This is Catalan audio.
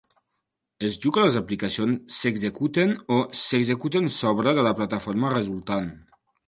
Es diu que les aplicacions "s'executen" o "s'executen sobre" de la plataforma resultant.